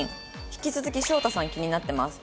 「引き続き翔太さん気になってます」。